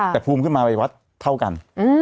แต่ภูมิขึ้นมาวัยวัดเท่ากัน